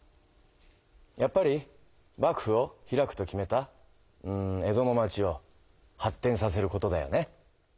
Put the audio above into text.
やっぱり幕府を開くと決めたうん江戸の町を発てんさせることだよね。